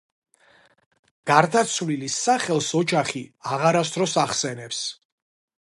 გარდაცვლილის სახელს ოჯახი აღარასდროს ახსენებს.